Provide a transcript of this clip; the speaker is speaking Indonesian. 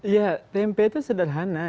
ya tmp itu sederhana